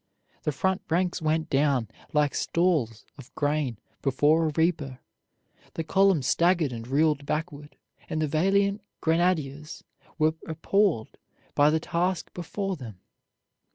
The front ranks went down like stalks of grain before a reaper; the column staggered and reeled backward, and the valiant grenadiers were appalled by the task before them.